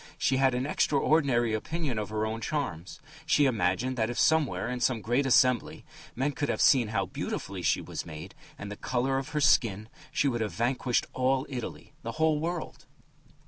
She had an extraordinary opinion of her own charms; she imagined that if somewhere, in some great assembly, men could have seen how beautifully she was made and the colour of her skin, she would have vanquished all Italy, the whole world.